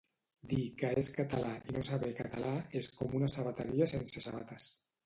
dir que és català i no saber català és com una sabateria sense sabates